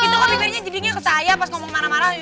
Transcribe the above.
itu kok bingungnya jadinya kesahayaan pas ngomong marah marah gitu